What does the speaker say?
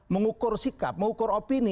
mengukur sikap mengukur opini